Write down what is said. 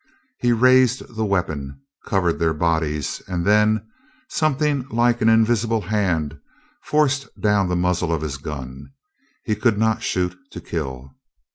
He raised the weapon, covered their bodies, and then something like an invisible hand forced down the muzzle of his gun. He could not shoot to kill!